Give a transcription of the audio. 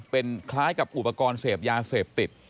เป็นคล้ายกับอุปกรณ์เสพยาเสพติด